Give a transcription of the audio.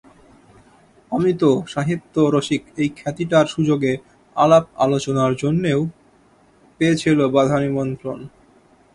অমিত সাহিত্যরসিক, এই খ্যাতিটার সুযোগে আলাপ-আলোচনার জন্যে ও পেয়েছিল বাঁধা নিমন্ত্রণ।